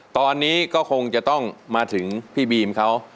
ตอนนี้ก็คงจะต้องมาถึงพี่บีมเขา